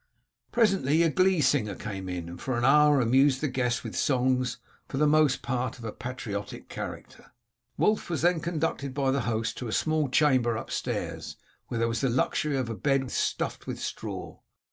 Presently a glee singer came in, and for an hour amused the guests with songs, for the most part of a patriotic character. Wulf was then conducted by the host to a small chamber upstairs, where there was the luxury of a bed stuffed with straw.